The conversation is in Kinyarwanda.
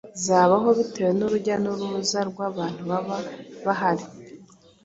zabaho bitewe n’urujya n’uruza rw’abantu baba bahari.